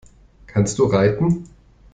Kannst du reiten?